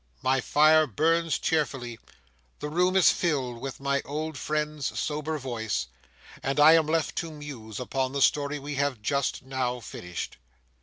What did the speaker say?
My fire burns cheerfully; the room is filled with my old friend's sober voice; and I am left to muse upon the story we have just now finished.